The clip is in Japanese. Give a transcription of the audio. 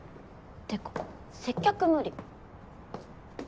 ってか接客無理。